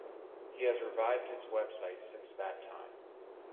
He has revived his website since that time.